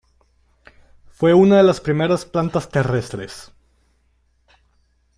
Fue una de las primeras plantas terrestres.